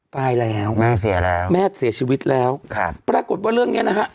ตายแล้วแม่เสียแล้วแม่เสียชีวิตแล้วครับปรากฏว่าเรื่องเนี้ยนะฮะ